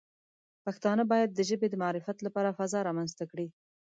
پښتانه باید د ژبې د معرفت لپاره فضا رامنځته کړي.